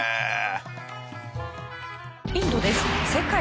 インドです。